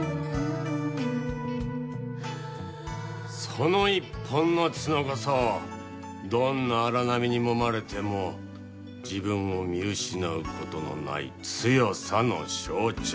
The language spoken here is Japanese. その一本の角こそどんな荒波にもまれても自分を見失う事のない強さの象徴。